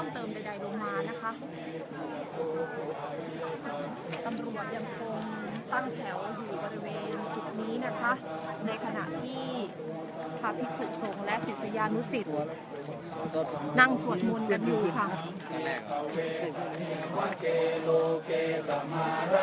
มีผู้ที่ได้รับบาดเจ็บและถูกนำตัวส่งโรงพยาบาลเป็นผู้หญิงวัยกลางคน